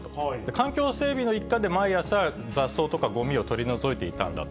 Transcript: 環境整備の一環で毎朝、雑草とかごみを取り除いていたんだと。